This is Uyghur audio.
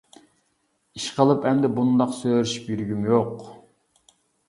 -ئىشقىلىپ ئەمدى بۇنداق سۆرىشىپ يۈرگۈم يوق!